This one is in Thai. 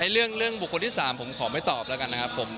เรื่องบุคคลที่๓ผมขอไม่ตอบแล้วกันนะครับผม